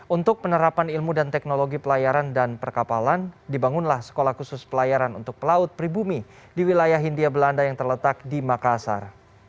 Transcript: untuk penerapan ilmu dan teknologi pelayaran dan perkapalan dibangunlah sekolah khusus pelayaran untuk pelaut pribumi di wilayah hindia belanda yang terletak di makassar